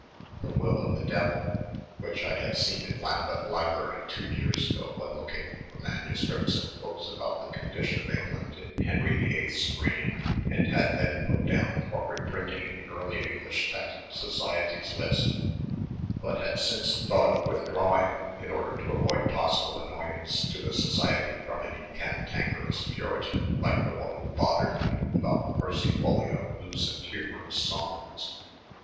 The Wyll of the Deuyll, which I had seen in Lambeth Library two years ago when looking for MSS and books about the condition of England in Henry VUI's reign, and had then pat down for reprinting in the Early English Text Society's list, but had since thought of withdrawing in order to avoid possible annoyance to the Society ^m any cantankerous puritan like the one who bothered me about the Percy Folio Loose ajid Humorous tj Songs.